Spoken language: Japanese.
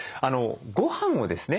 ごはんをですね